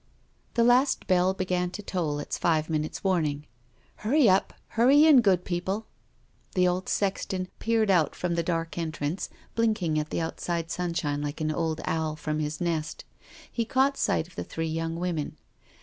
The last bell began to toll its five minutes' warning —" Hurry up— hurry in, good people all.*' The old sexton peered out from the dark entrance, blinking at the outside sunshine like an old owl from his nest. He caught sight of the three young women.